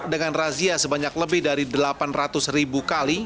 dengan razia sebanyak lebih dari delapan ratus ribu kali